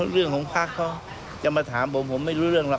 เรื่องของพักเขาจะมาถามผมผมไม่รู้เรื่องหรอก